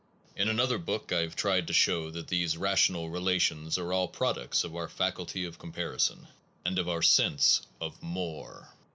In another book 1 I have tried to show that these rational relations are all prod ucts of our faculty of comparison and of our sense of more.